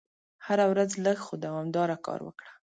هره ورځ لږ خو دوامداره کار وکړه.